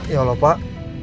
ya allah pak